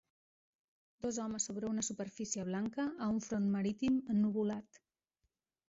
Dos homes sobre una superfície blanca a un front marítim ennuvolat